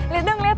liat dong liat